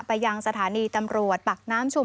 ไปยังสถานีตำรวจปักน้ำชุม